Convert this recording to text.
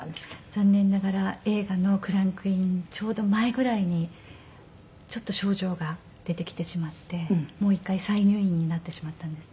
残念ながら映画のクランクインちょうど前ぐらいにちょっと症状が出てきてしまってもう一回再入院になってしまったんですね。